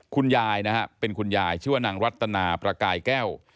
คุณยายนะฮะเป็นคุณยายชื่อว่านางรัตนาประกายแก้ว